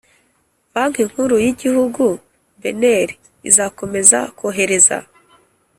banki nkuru y'igihugu (bnr) izakomeza korohereza